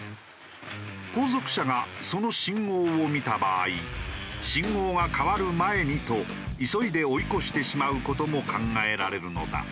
後続車がその信号を見た場合信号が変わる前にと急いで追い越してしまう事も考えられるのだ。